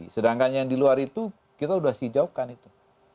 sedangkan yang di luar itu kita sudah hijaukan itu